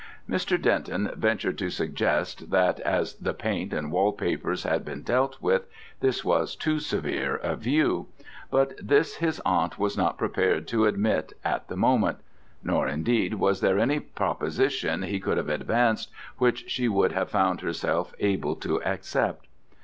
Mr. Denton ventured to suggest that as the paint and wallpapers had been dealt with, this was too severe a view: but this his aunt was not prepared to admit at the moment. Nor, indeed, was there any proposition he could have advanced which she would have found herself able to accept.